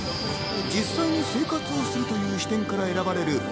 実際に生活をするという視点から選ばれる